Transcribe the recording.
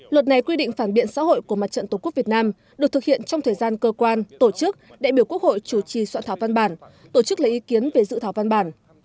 luật này quy định phản biện xã hội của mặt trận tổ quốc việt nam được thực hiện trong thời gian cơ quan tổ chức đại biểu quốc hội chủ trì soạn thảo văn bản tổ chức lấy ý kiến về dự thảo văn bản